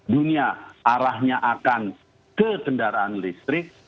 dunia arahnya akan ke kendaraan listrik